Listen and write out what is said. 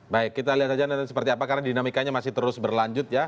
baik kita lihat saja nanti seperti apa karena dinamikanya masih terus berlanjut ya